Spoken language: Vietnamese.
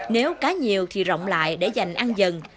nếu cá nhiều thì rộng lại để dành ăn dần